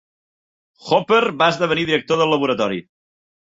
Hopper va esdevenir director del laboratori.